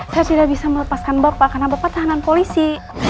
saya tidak bisa melepaskan bapak karena bapak tahanan polisi